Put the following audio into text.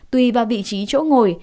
tuy vào vị trí chỗ ngồi